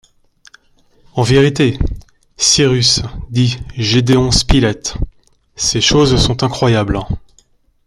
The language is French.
En vérité, Cyrus, dit Gédéon Spilett, ces choses sont incroyables!